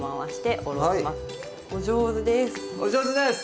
お上手です。